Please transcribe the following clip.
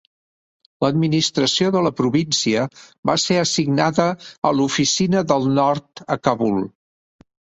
L'administració de la província va ser assignada a l'Oficina del Nord a Kabul.